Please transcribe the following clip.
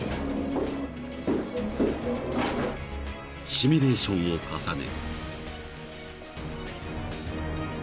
［シミュレーションを重ね］